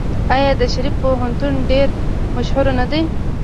آیا د شریف پوهنتون ډیر مشهور نه دی؟